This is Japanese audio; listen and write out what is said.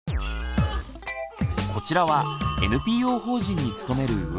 こちらはＮＰＯ法人に勤める上原さん。